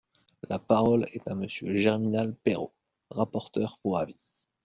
La parole est à Monsieur Germinal Peiro, rapporteur pour avis.